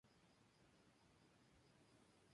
A principios de fue nuevo jugador de Rosario Central.